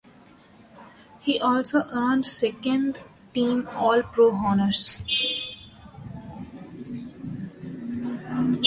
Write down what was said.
He also earned Second-Team All Pro honors.